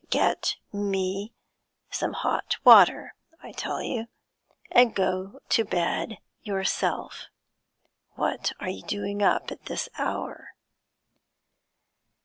'Get me some hot water, I tell you, and go to bed yourself. What are you doing up at this hour?'